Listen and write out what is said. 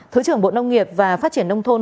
thứ trưởng bộ nông nghiệp và phát triển nông thôn